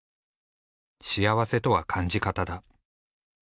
幸せとは感じ方だ。